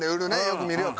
よく見るよ。